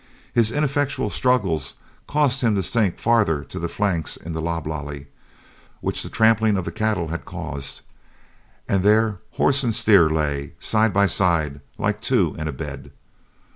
His ineffectual struggles caused him to sink farther to the flanks in the loblolly which the tramping of the cattle had caused, and there horse and steer lay, side by side, like two in a bed.